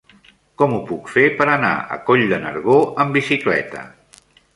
Com ho puc fer per anar a Coll de Nargó amb bicicleta?